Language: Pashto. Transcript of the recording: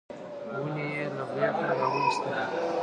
ونې یې له بېخه راویستلې.